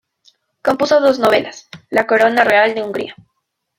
Compuso dos novelas: "La corona real de Hungría.